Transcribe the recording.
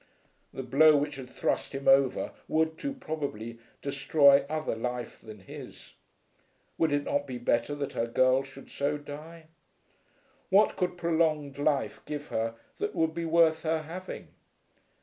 The blow which had thrust him over would, too probably, destroy other life than his. Would it not be better that her girl should so die? What could prolonged life give her that would be worth her having?